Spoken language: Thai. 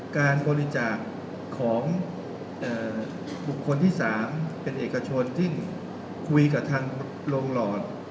การบริจาคของบุคคลที่๓เป็นเอกชนที่คุยกับทางโรงหลอด